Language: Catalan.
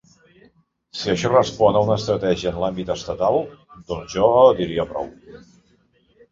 Si això respon a una estratègia en l’àmbit estatal, doncs jo diria prou.